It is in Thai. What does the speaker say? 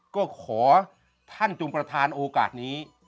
ก็ขอท่านจงประธานโอกาสนี้